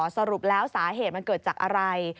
สรุปแล้วสาเหตุมันเกิดจากอะไร